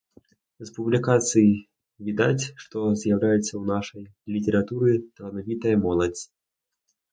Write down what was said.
З публікацый відаць, што з'яўляецца ў нашай літаратуры таленавітая моладзь.